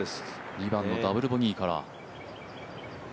２番のダブルボギーから。